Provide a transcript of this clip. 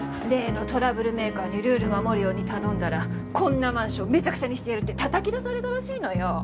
例のトラブルメーカーにルール守るように頼んだらこんなマンションめちゃくちゃにしてやる！ってたたき出されたらしいのよ。